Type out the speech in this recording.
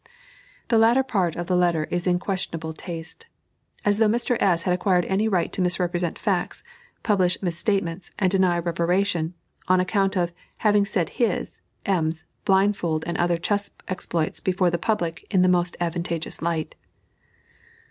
The latter part of the letter is in questionable taste. As though Mr. S. had acquired any right to misrepresent facts, publish misstatements, and deny reparation, on account of "having set his (M.'s) blindfold and other chess exploits before the public in the most advantageous light."